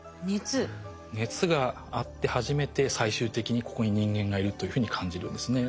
熱があって初めて最終的にここに人間がいるというふうに感じるんですね。